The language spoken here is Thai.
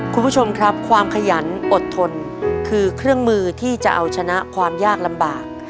คุณผู้ชมครับความขยันอดทนคือเครื่องมือที่จะเอาชนะความยากลำบาก